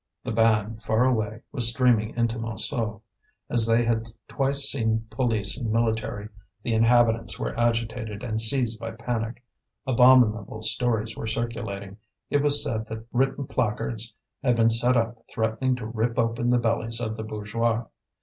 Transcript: The band, far away, was streaming into Montsou. As they had twice seen police and military, the inhabitants were agitated and seized by panic. Abominable stories were circulating; it was said that written placards had been set up threatening to rip open the bellies of the bourgeois.